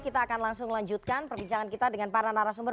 kita akan langsung lanjutkan perbincangan kita dengan para narasumber